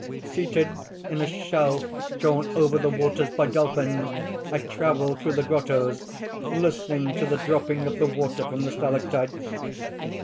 "Seated in a shell drawn over the waters by dolphins, I travel through the grottoes, listening lo the dropping of the water from the stalactites.